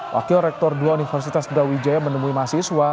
wakil rektor dua universitas brawijaya menemui mahasiswa